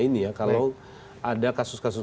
ini ya kalau ada kasus kasus